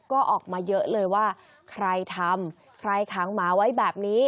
ก็ออกมาเยอะเลยว่าใครทำใครขังหมาไว้แบบนี้